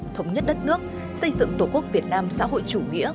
thống nhất đất nước xây dựng tổ quốc việt nam xã hội chủ nghĩa